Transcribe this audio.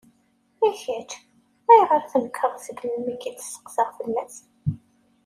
I kečč, acuɣer i tnekreḍ sgellin mi k-id-steqsaɣ fell-as?